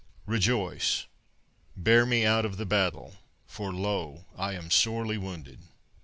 REJOICE "Bear me out of the battle, for lo! I am sorely wounded."